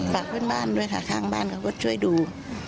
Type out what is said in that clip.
ฝากเพื่อนบ้านด้วยค่ะทางบ้านเขาก็ช่วยดู